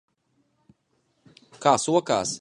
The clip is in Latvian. Kā sokas?